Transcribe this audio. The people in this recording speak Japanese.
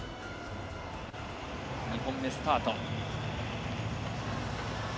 ２本目、スタート。